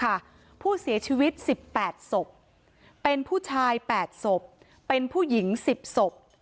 ผู้เสียชีวิต๑๘ศพเป็นผู้ชาย๘ศพเป็นผู้หญิง๑๐ศพ